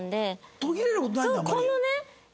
途切れる事ないんだ？